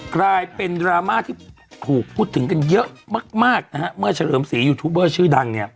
กลายเป็นดราม่าที่ถูกพูดถึงกันเยอะมากนะฮะเมื่อเฉลิมศรียูทูบเบอร์ชื่อดังเนี่ย